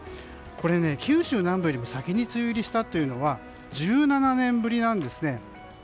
これ、九州南部よりも先に梅雨入りしたというのは１７年ぶりなんですね。